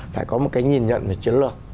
phải có một cái nhìn nhận về chiến lược